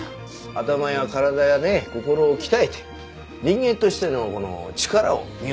頭や体やね心を鍛えて人間としての力を磨く事かな。